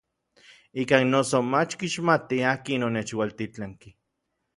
Ikan noso mach kixmatij akin onechualtitlanki.